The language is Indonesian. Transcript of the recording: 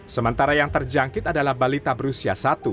sementara yang terjangkit adalah balita brusiasat